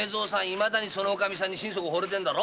いまだにそのおかみさん心底惚れてんだろ。